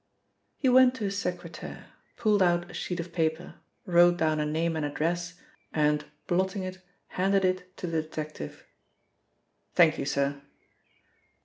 He went to his secretaire, pulled out a sheet of paper, wrote down a name and address and, blotting it, handed it to the detective. "Thank you, sir."